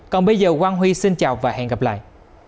còn bây giờ quang huy xin chào và hẹn gặp lại